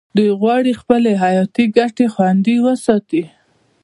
دوی غواړي خپلې حیاتي ګټې خوندي وساتي